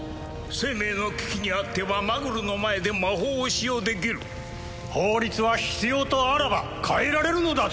生命の危機にあってはマグルの前で魔法を使用できる法律は必要とあらば変えられるのだぞ